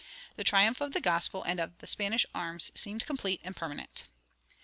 The triumph of the gospel and of Spanish arms seemed complete and permanent.